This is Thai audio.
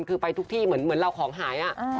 คือไปทุกที่เหมือนเราของหาย